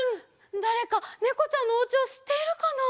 だれかねこちゃんのおうちをしっているかな？